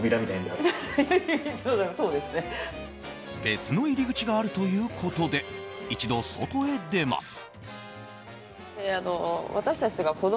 別の入り口があるということで一度、外へ出ます。